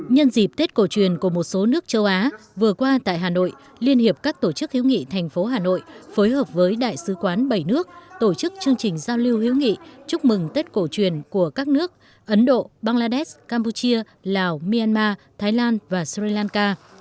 nhân dịp tết cổ truyền của một số nước châu á vừa qua tại hà nội liên hiệp các tổ chức hiếu nghị thành phố hà nội phối hợp với đại sứ quán bảy nước tổ chức chương trình giao lưu hữu nghị chúc mừng tết cổ truyền của các nước ấn độ bangladesh campuchia lào myanmar thái lan và sri lanka